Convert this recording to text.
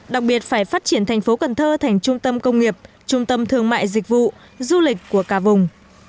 đặc biệt phải phát triển thành phố cần thơ thành trung tâm công nghiệp trung tâm thương mại dịch vụ du lịch của cả vùng